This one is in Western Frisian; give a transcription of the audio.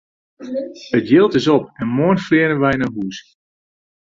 It jild is op en moarn fleane wy nei hús!